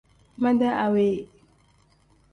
Mede awe.